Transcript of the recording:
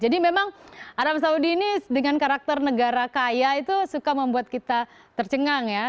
jadi memang arab saudi ini dengan karakter negara kaya itu suka membuat kita tercengang ya